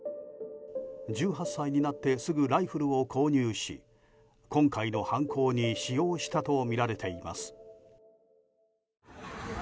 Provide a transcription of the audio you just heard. １８歳になってすぐライフルを購入し今回の犯行に使用したとみられています。